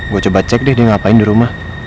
gue coba cek deh ngapain di rumah